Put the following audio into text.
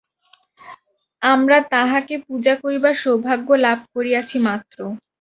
আমরা তাঁহাকে পূজা করিবার সৌভাগ্য লাভ করিয়াছি মাত্র।